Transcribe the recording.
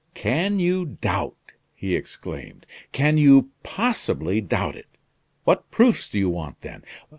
"Can you doubt?" he exclaimed. "Can you possibly doubt it? What proofs do you want then?